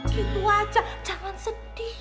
gitu aja jangan sedih